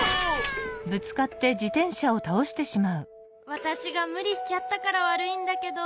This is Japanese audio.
わたしがむりしちゃったからわるいんだけど。